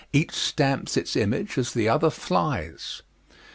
Each stamps its image as the other flies!